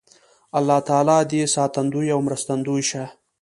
الله تعالی دې ساتندوی او مرستندوی شه